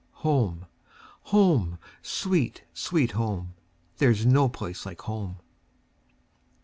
Home! home! sweet, sweet home! There 's no place like home!